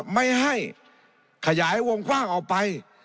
ไม่ให้ขยายวงกว้างออกไป